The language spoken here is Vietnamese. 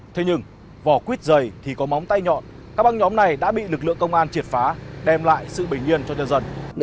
thế nhưng vỏ quýt dày thì có móng tay nhọn các băng nhóm này đã bị lực lượng công an triệt phá đem lại sự bình yên cho nhân dân